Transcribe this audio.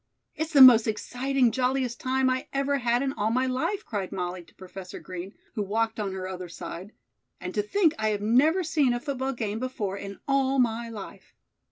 "It's the most exciting, jolliest time I ever had in all my life," cried Molly to Professor Green, who walked on her other side. "And to think I have never seen a football game before in all my life."